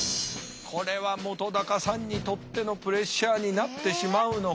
これは本さんにとってのプレッシャーになってしまうのか。